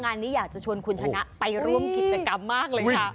งานนี้อยากจะชวนคุณชนะไปร่วมกิจกรรมมากเลยค่ะ